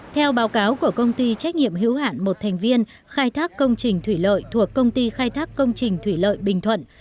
theo báo cáo của công ty trách nhiệm hữu hạn một thành viên khai thác công trình thủy lợi thuộc công ty khai thác công trình thủy lợi bình thuận